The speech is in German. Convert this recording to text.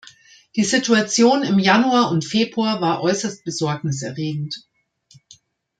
Die Situation im Januar und Februar war äußerst besorgniserregend.